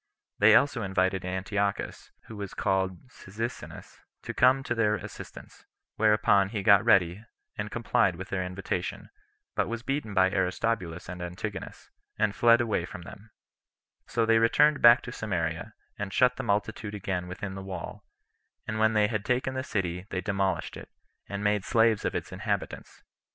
They also invited Antiochus, who was called Cyzicenus, to come to their assistance; whereupon he got ready, and complied with their invitation, but was beaten by Aristobulus and Antigonus; and indeed he was pursued as far as Scythopolis by these brethren, and fled away from them. So they returned back to Samaria, and shut the multitude again within the wall; and when they had taken the city, they demolished it, and made slaves of its inhabitants.